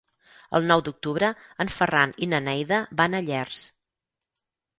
El nou d'octubre en Ferran i na Neida van a Llers.